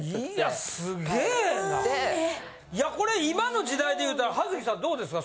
いやこれ今の時代でいうたら葉月さんどうですか？